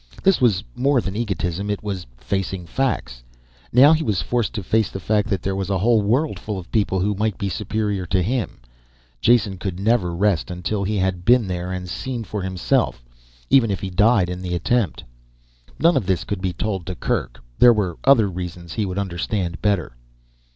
This was more than egotism. It was facing facts. Now he was forced to face the fact that there was a whole world of people who might be superior to him. Jason could never rest content until he had been there and seen for himself. Even if he died in the attempt. None of this could be told to Kerk. There were other reasons he would understand better.